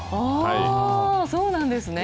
そうなんですね。